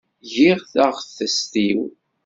Giɣ taɣtest-iw.